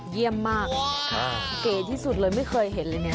เยี่ยมมากเก๋ที่สุดเลยไม่เคยเห็นเลยเนี่ย